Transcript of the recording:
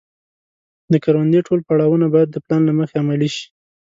د کروندې ټول پړاوونه باید د پلان له مخې عملي شي.